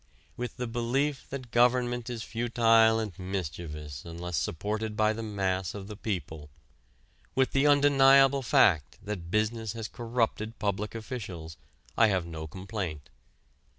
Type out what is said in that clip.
With the belief that government is futile and mischievous unless supported by the mass of the people; with the undeniable fact that business has corrupted public officials I have no complaint.